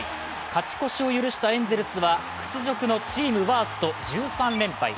勝ち越しを許したエンゼルスは屈辱のチームワースト１３連敗。